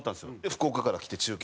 福岡からきて中継。